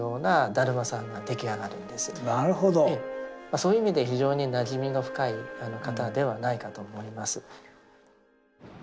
そういう意味で非常になじみの深い方ではないかと思います。